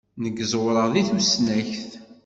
Nekk ẓewreɣ deg tusnakt.